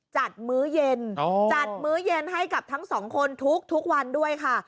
มื้อเย็นจัดมื้อเย็นให้กับทั้งสองคนทุกวันด้วยค่ะ